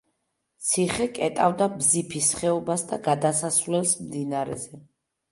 ციხე კეტავდა ბზიფის ხეობას და გადასასვლელს მდინარეზე.